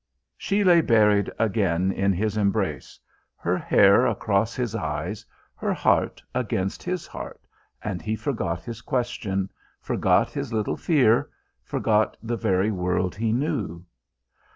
She lay buried again in his embrace, her hair across his eyes, her heart against his heart, and he forgot his question, forgot his little fear, forgot the very world he knew....